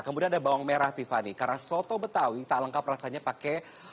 kemudian ada bawang merah tiffany karena soto betawi tak lengkap rasanya pakai